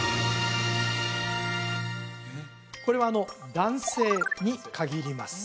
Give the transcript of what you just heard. これは男性に限ります